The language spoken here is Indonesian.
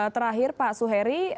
terakhir pak suheri